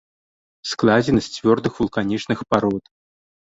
Складзены з цвёрдых вулканічных парод.